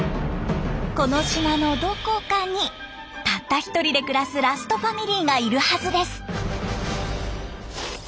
この島のどこかにたった１人で暮らすラストファミリーがいるはずです。